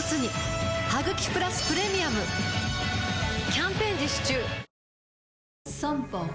キャンペーン実施中